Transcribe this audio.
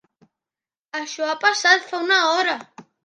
Això ha passat fa una hora!